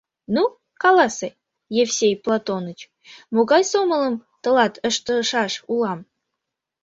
— Ну, каласе, Евсей Платоныч, могай сомылым тылат ыштышаш улам?